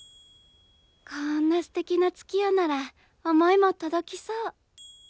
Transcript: こんなすてきな月夜なら思いも届きそう。